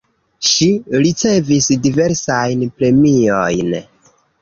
Ŝi ricevis diversajn premiojn.